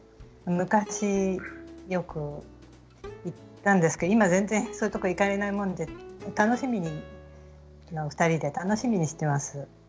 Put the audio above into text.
昔よく行ったんですけど今全然そういうところ行かれないもんで楽しみに２人で楽しみにしてます。